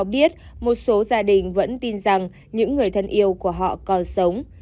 biết một số gia đình vẫn tin rằng những người thân yêu của họ còn sống